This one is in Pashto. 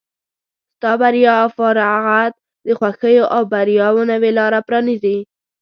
ستا بریا او فارغت د خوښیو او بریاوو نوې لاره پرانیزي.